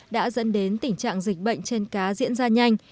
đã dẫn đến tình trạng dịch bệnh trên cá diễn ra nhanh